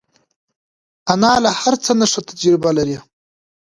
انا له هر څه نه ښه تجربه لري